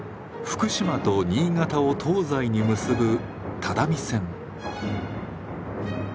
福島と新潟を東西に結ぶ只見線。